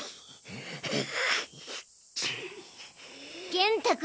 元太君。